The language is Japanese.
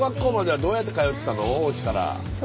おうちから。